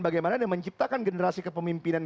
bagaimana menciptakan generasi kepemimpinan